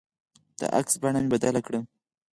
د عکس بڼه مې بدله کړه.